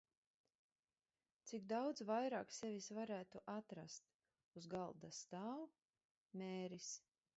Cik daudz vairāk sevis varētu atrast? Uz mana galda stāv "Mēris".